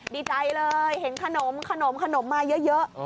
ดีใจเลยเห็นขนมขนมมาเยอะ